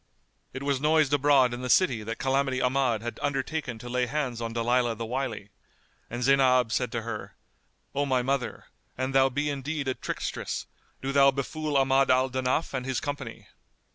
It was noised abroad in the city that Calamity Ahmad had undertaken to lay hands on Dalilah the Wily, and Zaynab said to her, "O my mother, an thou be indeed a trickstress, do thou befool Ahmad al Danaf and his company."